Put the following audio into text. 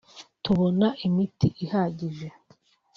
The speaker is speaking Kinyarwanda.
tubona imiti ihagije